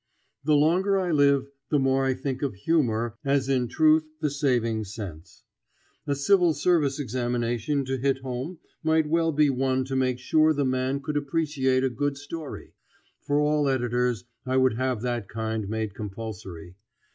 The longer I live the more I think of humor as in truth the saving sense. A civil service examination to hit home might well be one to make sure the man could appreciate a good story. For all editors I would have that kind made compulsory.